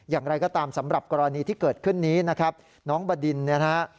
อย่างไรก็ตามสำหรับกรณีที่เกิดขึ้นนี้นะครับน้องบดินเนี่ยนะฮะ